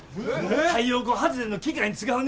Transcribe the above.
太陽光発電の機械に使うねじや。